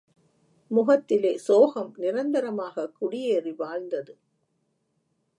முகத்திலே சோகம் நிரந்தரமாகக் குடியேறி வாழ்ந்தது.